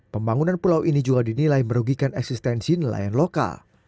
pembangunan pulau ini juga dinilai merugikan eksistensi nelayan lokal